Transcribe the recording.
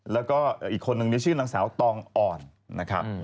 แล้วก็อีกคนนึงซึ่งขึ้นนางสาวตองอ่อน